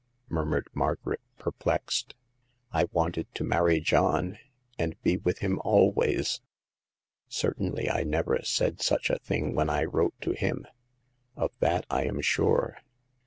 murmured Margaret, perplexed. " I wanted to marry John and be with him always. Certainly I never said such a thing when I wrote to him. Of that I am sure."